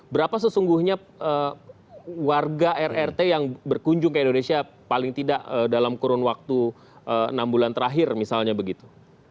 berapa sesungguhnya warga rrt yang berkunjung ke indonesia paling tidak dalam kurun waktu enam bulan terakhir misalnya begitu